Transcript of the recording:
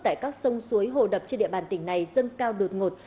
tại các sông suối hồ đập trên địa bàn tỉnh này dâng cao đột ngột